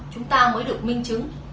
chúng ta mới được minh chứng